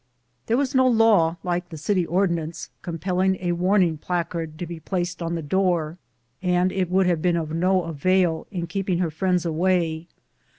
There was no law, like the city ordinance, compelling a warning placard to be placed on the door, and it would have been of no avail in keeping her friends away.